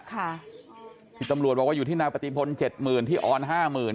ที่ตำรวจว่าอยู่ที่นาปฏิพลบน๗๐๐๐๐ที่ออนบน๕๐๐๐๐ใช่ไหม